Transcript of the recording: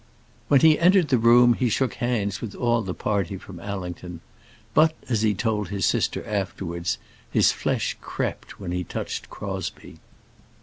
When he entered the room he shook hands with all the party from Allington, but, as he told his sister afterwards, his flesh crept when he touched Crosbie.